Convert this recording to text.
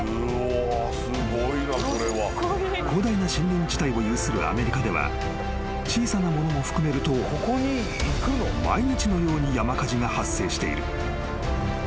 ［広大な森林地帯を有するアメリカでは小さなものも含めると毎日のように山火事が発生している］